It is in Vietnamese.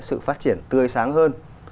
sự phát triển tươi sáng hơn